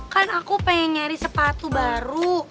kan aku pengen nyari sepatu baru